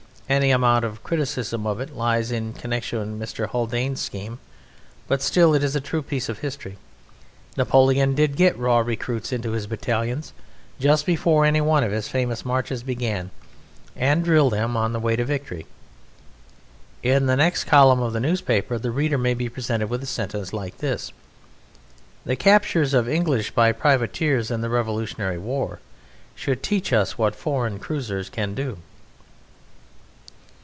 Any amount of criticism of it lies in connexion with Mr. Haldane's scheme, but still it is a true piece of history. Napoleon did get raw recruits into his battalions just before any one of his famous marches began, and drill them on the way to victory. In the next column of the newspaper the reader may be presented with a sentence like this: "The captures of English by privateers in the Revolutionary War should teach us what foreign cruisers can do."